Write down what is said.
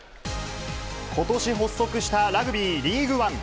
ことし発足したラグビーリーグワン。